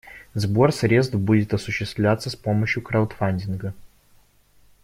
Сбор средств будет осуществляться с помощью краудфандинга.